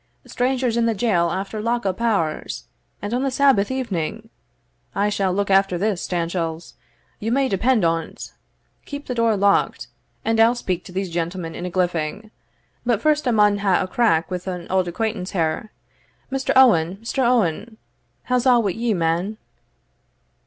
strangers in the jail after lock up hours, and on the Sabbath evening! I shall look after this, Stanchells, you may depend on't Keep the door locked, and I'll speak to these gentlemen in a gliffing But first I maun hae a crack wi' an auld acquaintance here. Mr. Owen, Mr. Owen, how's a' wi' ye, man?"